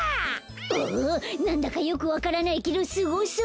おおなんだかよくわからないけどスゴそう！